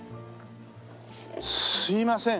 すいません。